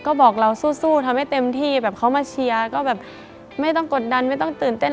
ก็บอกเราสู้ทำให้เต็มที่แบบเขามาเชียร์ก็แบบไม่ต้องกดดันไม่ต้องตื่นเต้น